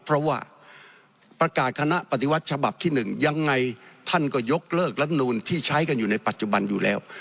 เพราะว่าประกาศคณะปฏิวัติฉบับที่๑ยังไงท่านก็ยกเลิกรัฐนูลที่ใช้กันอยู่ในปัจจุบันอยู่แล้ว